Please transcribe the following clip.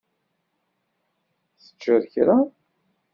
Teččiḍ kra?